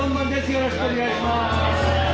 よろしくお願いします！